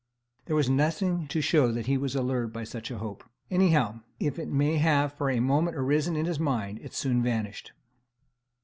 There is nothing to show that he was allured by such a hope; any how, if it may have for a moment arisen in his mind, it soon vanished.